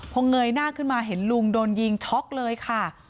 พอเงยหน้าขึ้นมาเห็นลุงโดนยิงช็อกเลยค่ะ